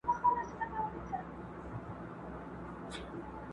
بل ملګری هم په لار کي ورپیدا سو!.